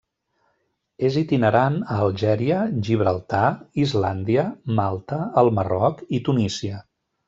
És itinerant a Algèria, Gibraltar, Islàndia, Malta, el Marroc i Tunísia.